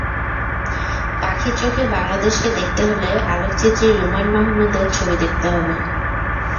পাখির চোখে বাংলাদেশকে দেখতে হলে আলোকচিত্রী রুম্মান মাহমুদের ছবি দেখতে হবে।